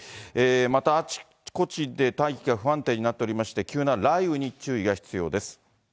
またあちこちで大気が不安定になっておりまして、急な雷雨に注意が必要です。